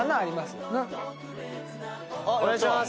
お願いします！